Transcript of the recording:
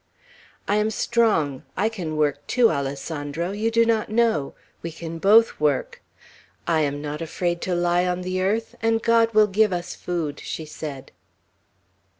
"I am strong; I can work too, Alessandro. You do not know. We can both work. I am not afraid to lie on the earth; and God will give us food," she said.